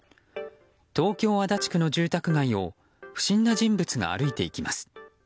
東京・足立区の住宅街を不審な人物が歩いていきます。